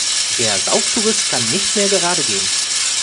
Der Sauftourist kann nicht mehr gerade gehen.